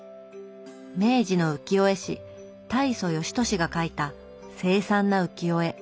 明治の浮世絵師大蘇芳年が描いた凄惨な浮世絵。